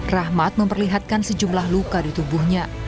rahmat memperlihatkan sejumlah luka di tubuhnya